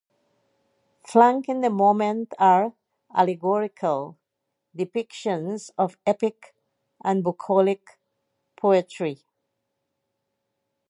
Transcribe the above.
Flanking the monument are allegorical depictions of epic and bucolic poetry.